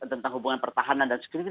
tentang hubungan pertahanan dan screening